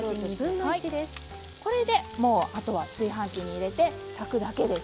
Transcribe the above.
これでもうあとは炊飯器に入れて炊くだけです。